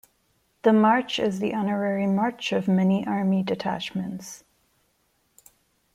The march is the honorary march of many army detachments.